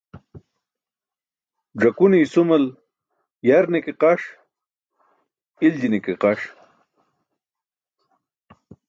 Ẓakune isumal yarne ke qaṣ, iljine ke qaṣ.